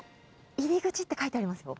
入り口って書いてありますよ。